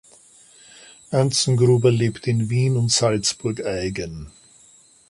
Anzengruber lebt in Wien und in Salzburg-Aigen.